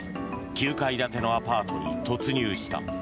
９階建てのアパートに突入した。